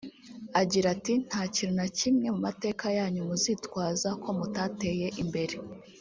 Agira ati “Nta kintu na kimwe mu mateka yanyu muzitwaza ko mutateye imbere